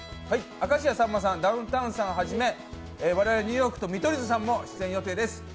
明石家さんまさん、ダウンタウンさんをはじめ我々ニューヨークと見取り図さんも出演予定です。